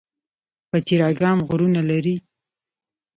پچیر اګام غرونه لري؟